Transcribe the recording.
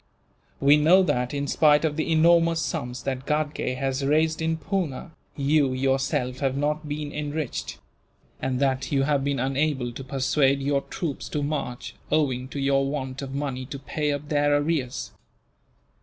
We know that, in spite of the enormous sums that Ghatgay has raised in Poona, you yourself have not been enriched; and that you have been unable to persuade your troops to march, owing to your want of money to pay up their arrears.